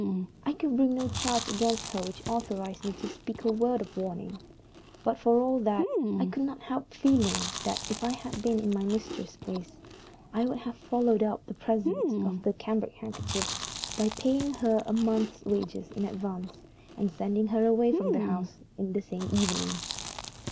I could bring no charge against her which authorized me to speak a word of warning; but, for all that, I could not help feeling that if I had been in my mistress's place, I would have followed up the present of the cambric handkerchiefs by paying her a month's wages in advance, and sending her away from the house the same evening.